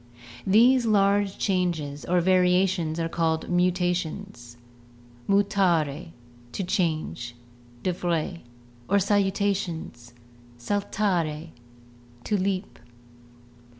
These large changes or variations are called muta tions (Lat. mutare, to change) (De Vries) or saltations (Lat. saltare, to leap).